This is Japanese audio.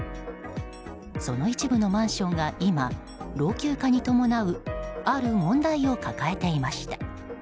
その一部のマンションが今老朽化に伴うある問題を抱えていました。